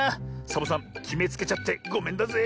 サボさんきめつけちゃってごめんだぜ。